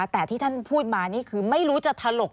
แต่ที่ท่านพูดมานี่คือไม่รู้จะถลก